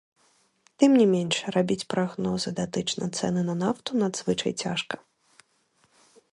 Тым не менш, рабіць прагнозы датычна цэны на нафту надзвычай цяжка.